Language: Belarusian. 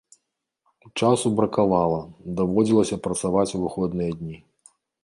Часу бракавала, даводзілася працаваць у выходныя дні.